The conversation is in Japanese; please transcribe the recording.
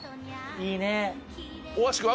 いいね。